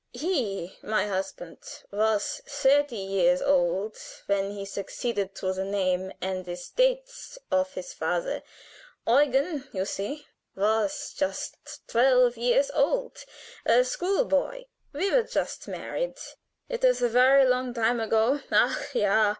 He, my husband, was thirty years old when he succeeded to the name and estates of his father Eugen, you see, was just twelve years old, a school boy. We were just married. It is a very long time ago _ach ja!